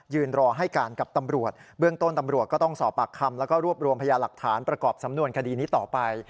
รอให้การกับตำรวจเบื้องต้นตำรวจก็ต้องสอบปากคำแล้วก็รวบรวมพยาหลักฐานประกอบสำนวนคดีนี้ต่อไป